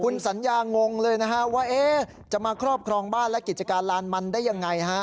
คุณสัญญางงเลยนะฮะว่าจะมาครอบครองบ้านและกิจการลานมันได้ยังไงฮะ